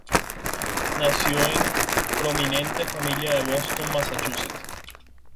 Nació en una prominente familia de Boston, Massachusetts.